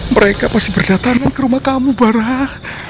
mereka pasti berdatangan ke rumah kamu barah